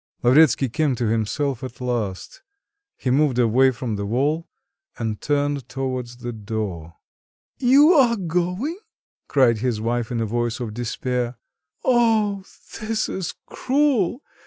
Lavretsky came to himself at last; he moved away from the wall and turned towards the door. "You are going?" cried his wife in a voice of despair. "Oh, this is cruel!